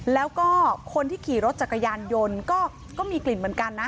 แล้วก็คนที่ขี่รถจักรยานยนต์ก็มีกลิ่นเหมือนกันนะ